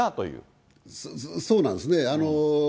そうなんですね。